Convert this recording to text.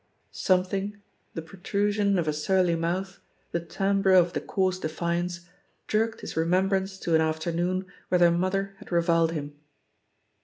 Something, the protrusion of a surly mouth, the timbre of the coarse defiance, jerked his re membrance to an afternoon when her mother had reviled him.